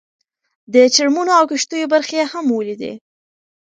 د ټرمونو او کښتیو برخې یې هم ولیدې.